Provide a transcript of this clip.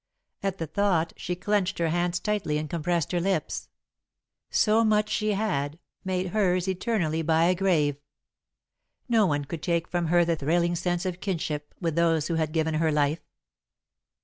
At the thought, she clenched her hands tightly and compressed her lips. So much she had, made hers eternally by a grave. No one could take from her the thrilling sense of kinship with those who had given her life.